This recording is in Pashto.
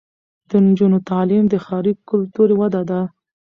د نجونو تعلیم د ښاري کلتور وده ده.